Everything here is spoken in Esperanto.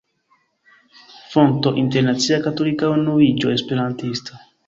Fonto: Internacia Katolika Unuiĝo Esperantista.